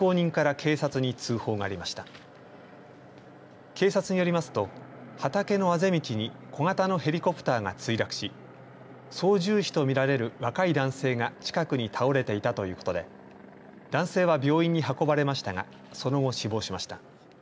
警察によりますと畑のあぜ道に小型のヘリコプターが墜落し操縦士とみられる若い男性が近くに倒れていたということで男性は病院に運ばれましたがその後、死亡しました。